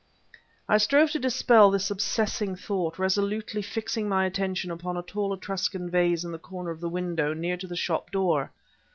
I strove to dispel this obsessing thought, resolutely fixing my attention upon a tall Etruscan vase in the corner of the window, near to the shop door.